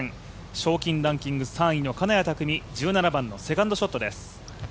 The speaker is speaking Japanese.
賞金ランキング３位の金谷拓実１７番セカンドショットです。